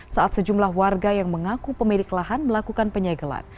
saat sejumlah warga yang mengaku pemilik lahan melakukan penyegelan